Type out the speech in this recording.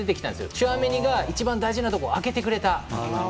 チュアメニが一番大事なところを空けてくれた。